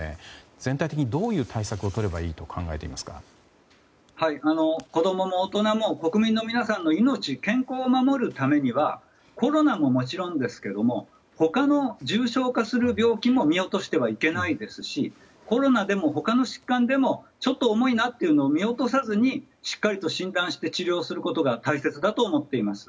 全体的にどういう対策をとればいいと子供も大人も国民の皆さんの命健康を守るためにはコロナももちろんですが他の重症化する病気も見落としてはいけないですしコロナでも、他の疾患でもちょっと重いなというのを見落とさずにしっかりと診断して治療することが大切だと思っています。